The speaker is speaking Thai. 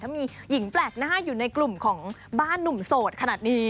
มีหญิงแปลกหน้าอยู่ในกลุ่มของบ้านหนุ่มโสดขนาดนี้